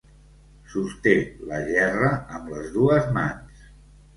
Sosté la gerra amb les dues mans.